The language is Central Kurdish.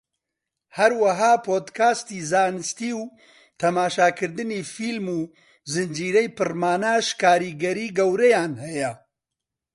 هەروەها پۆدکاستی زانستی و تەماشاکردنی فیلم و زنجیرەی پڕماناش کاریگەری گەورەیان هەیە